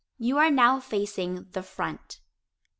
You are now facing the "front."